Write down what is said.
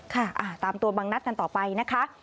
ค่ะตามตัวบังนัดกันต่อไปนะคะ